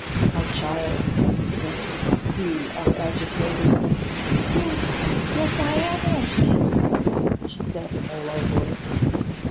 'My child,' he said, 'you are agitated.' 'Yes; yes, I am agitated,' she said, in a low voice.